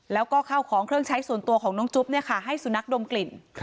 แล้วก็ข้าวของเครื่องใช้ส่วนตัวของน้องจุ๊บให้สุนัขดมกลิ่น